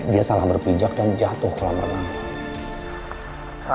dia salah berpijak dan jatuh kolam renang